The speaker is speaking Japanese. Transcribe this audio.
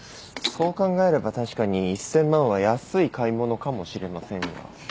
そう考えれば確かに１，０００万は安い買い物かもしれませんが。